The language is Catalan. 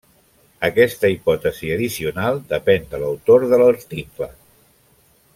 Aquesta hipòtesi addicional depèn de l'autor de l'article.